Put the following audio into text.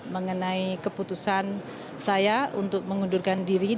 dua puluh lima mengenai keputusan saya untuk mengundurkan diri